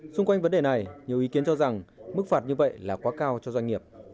xung quanh vấn đề này nhiều ý kiến cho rằng mức phạt như vậy là quá cao cho doanh nghiệp